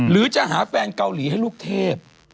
หรือจะหาแฟนเกาหลีให้ลูกเทพ